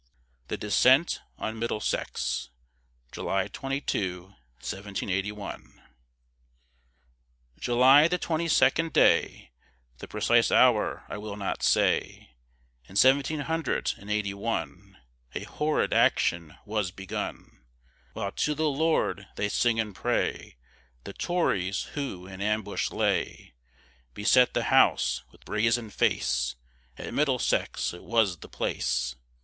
THE DESCENT ON MIDDLESEX [July 22, 1781] July the twenty second day, The precise hour I will not say, In seventeen hundred and eighty one, A horrid action was begun. While to the Lord they sing and pray, The Tories who in ambush lay, Beset the house with brazen face, At Middlesex, it was the place.